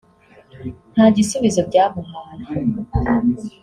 nta gisubizo byamuhaye